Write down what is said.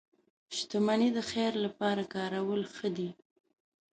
• شتمني د خیر لپاره کارول ښه دي.